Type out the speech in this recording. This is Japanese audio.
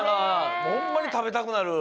ホンマに食べたくなる！